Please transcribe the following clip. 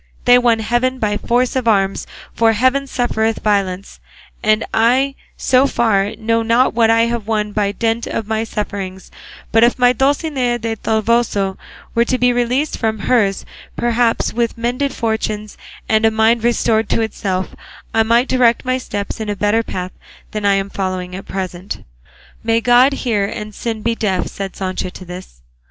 They won heaven by force of arms, for heaven suffereth violence; and I, so far, know not what I have won by dint of my sufferings; but if my Dulcinea del Toboso were to be released from hers, perhaps with mended fortunes and a mind restored to itself I might direct my steps in a better path than I am following at present." "May God hear and sin be deaf," said Sancho to this.